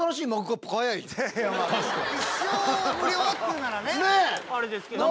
一生無料っていうならねあれですけどね。